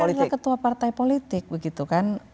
mereka kan adalah ketua partai politik begitu kan